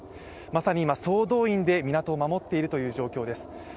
まさに今、総動員で港を守っている状況です。